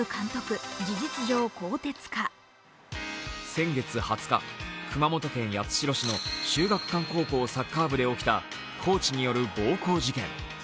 先月２０日、熊本県八代市の秀岳館高校サッカー部で起きたコーチによる暴行事件。